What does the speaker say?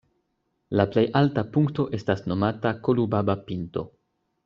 La plej alta punkto estas nomata "Kolubaba"-pinto.